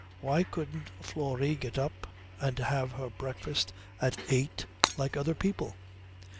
Why couldn't Florrie get up and have her breakfast at eight like other people?